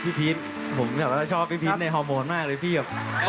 พี่พีชชอบแม่ฮาวโมนมากเลย